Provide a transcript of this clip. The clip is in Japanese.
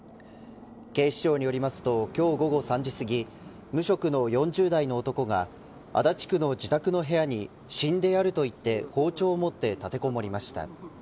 警視庁によりますと今日、午後３時すぎ無職の４０代の男が足立区の自宅の部屋に死んでやると言って包丁を持って立てこもりました。